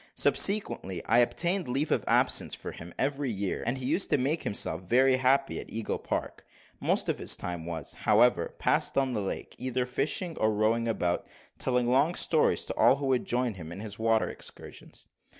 Subsequently, I obtained leave of absence for him every year; and he used to make himself very happy at Eagle Park. Most of his time was, however, passed on the lake, either fishing or rowing about; telling long stories to all who would join him in his water excursions.